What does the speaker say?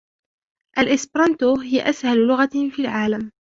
الإسبرانتو هي أسهل لغة في العالم.